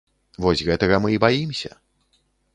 Вось гэтага мы і баімся.